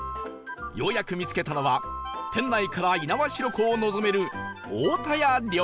ようやく見つけたのは店内から猪苗代湖を望める